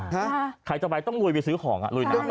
หาขายต่อไปต้องลุยไปซื้อของอ่ะลุยน้ำไป